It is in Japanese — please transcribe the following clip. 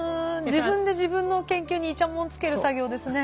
自分で自分の研究にいちゃもんをつける作業ですね。